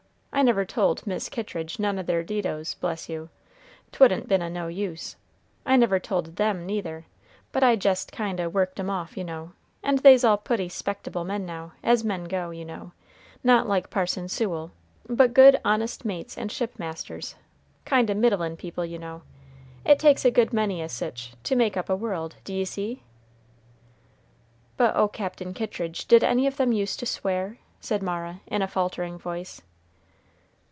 I never told Mis' Kittridge none o' their didos; bless you, 'twouldn't been o' no use. I never told them, neither; but I jest kind o' worked 'em off, you know; and they's all putty 'spectable men now, as men go, you know; not like Parson Sewell, but good, honest mates and ship masters, kind o' middlin' people, you know. It takes a good many o' sich to make up a world, d'ye see." "But oh, Captain Kittridge, did any of them use to swear?" said Mara, in a faltering voice.